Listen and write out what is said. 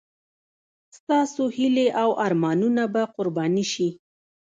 ستاسو هیلې او ارمانونه به قرباني شي.